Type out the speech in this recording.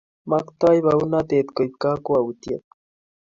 Maktoi baunatet koib kokwoutiet